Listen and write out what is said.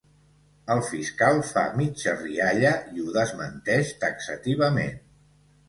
El fiscal fa mitja rialla i ho desmenteix taxativament.